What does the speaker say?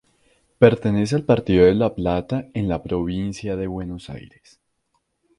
Pertenece al Partido de La Plata en la Provincia de Buenos Aires.